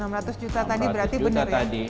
enam ratus juta tadi berarti benar ya